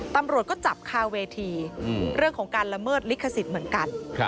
ตำรวจก็จับคาเวทีเรื่องของการละเมิดลิขสิทธิ์เหมือนกัน